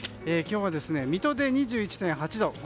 気温は水戸で２１．８度。